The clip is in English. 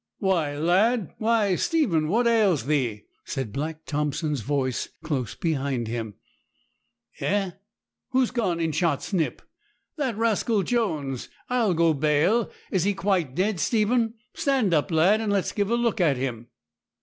'Why, lad! why, Stephen! what ails thee?' said Black Thompson's voice, close behind him. 'Eh! who's gone and shot Snip? That rascal Jones, I'll go bail! Is he quite dead, Stephen? Stand up, lad, and let's give a look at him.'